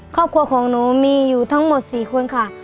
ครอบครัวของหนูมีอยู่ทั้งหมด๔คนค่ะ